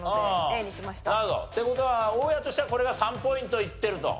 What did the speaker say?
なるほど。って事は大家としてはこれが３ポイントいってると。